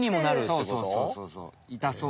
そうそうそうそうそう。